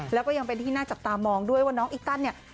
แล้วก็ยังเป็นที่น่าจับตามองด้วยว่าน้องอิตันเนี่ย